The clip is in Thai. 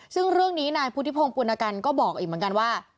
ซึ่งเรื่องนี้นายพุทธิพงศ์ปุณกันก็บอกอีกเหมือนกันว่า